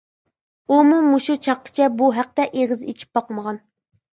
ئۇمۇ مۇشۇ چاغقىچە بۇ ھەقتە ئېغىز ئېچىپ باقمىغان.